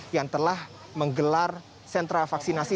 yang telah menggelar sentra vaksinasi